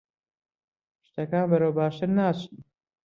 شتەکان بەرەو باشتر ناچن.